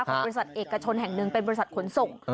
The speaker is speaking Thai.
ของบริษัทเอกชนแห่งหนึ่งเป็นบริษัทขนส่ง